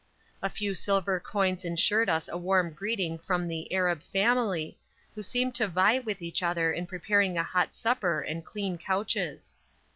A few silver coins insured us a warm greeting from the "Arab family," who seemed to vie with each other in preparing a hot supper and clean couches.